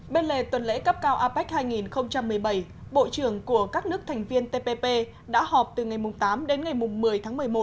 bên lề tuần lễ cấp cao apec hai nghìn một mươi bảy bộ trưởng của các nước thành viên tpp đã họp từ ngày tám đến ngày một mươi tháng một mươi một